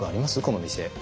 この店。